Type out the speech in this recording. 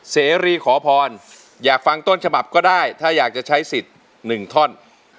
เสรีขอพรอยากฟังต้นฉบับก็ได้ถ้าอยากจะใช้สิทธิ์๑ท่อน